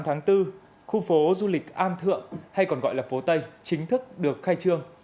hai mươi tám tháng bốn khu phố du lịch am thượng hay còn gọi là phố tây chính thức được khai trương